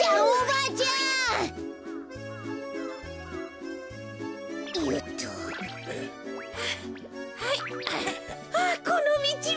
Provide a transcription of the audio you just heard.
あっこのみちは！